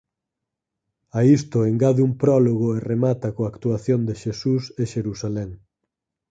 A isto engade un prólogo e remata coa actuación de Xesús e Xerusalén.